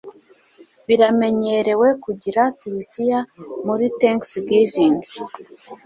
Biramenyerewe kugira turukiya muri Thanksgiving.